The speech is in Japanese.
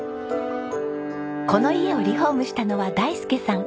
この家をリフォームしたのは大介さん。